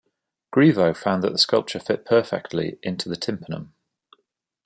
Grivot found that the sculpture fit perfectly into the tympanum.